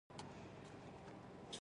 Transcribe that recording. ناپولیون څخه کومک غوښتی وو.